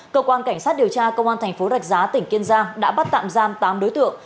cơ quan cảnh sát điều tra công an thành phố rạch giá tỉnh kiên giang đã bắt tạm giam tám đối tượng